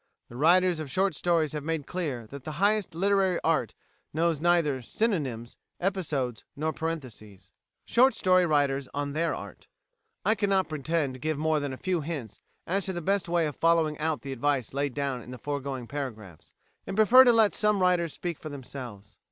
The writers of short stories have made clear that the highest literary art knows neither synonyms, episodes, nor parentheses."[159:A] Short Story Writers on their Art I cannot pretend to give more than a few hints as to the best way of following out the advice laid down in the foregoing paragraphs, and prefer to let some writers speak for themselves.